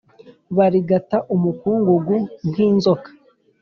Barigata umukungugu nk inzoka